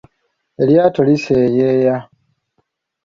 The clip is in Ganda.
Eryato liseyeeya.